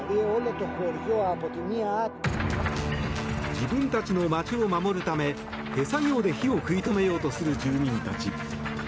自分たちの街を守るため手作業で火を食い止めようとする住民たち。